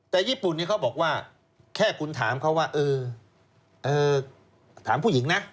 แต่ญี่ปุ่นนี้เขาบอกว่าแค่คุณถามเขาว่าถามผู้หญิงนะ